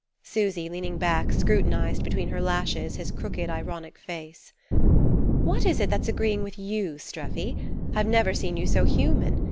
Susy, leaning back, scrutinized between her lashes his crooked ironic face. "What is it that's agreeing with you, Streffy? I've never seen you so human.